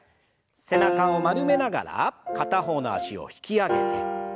背中を丸めながら片方の脚を引き上げて。